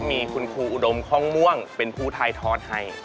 มีคุณครูอุดมคล่องม่วงเป็นผู้ถ่ายทอดให้